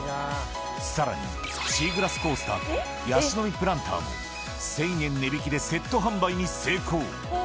さらにシーグラスコースターとヤシの実プランターも、１０００円値引きでセット販売に成功。